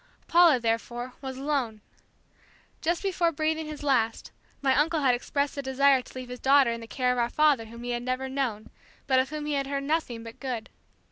Paula, therefore, was alone. Just before breathing his last, my uncle had expressed the desire to leave his daughter in the care of our father whom he had never known, but of whom he had heard nothing but good.